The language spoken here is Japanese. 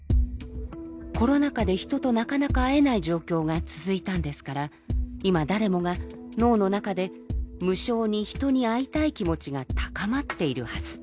コロナ禍で人となかなか会えない状況が続いたんですから今誰もが脳の中で無性に人に会いたい気持ちが高まっているはず。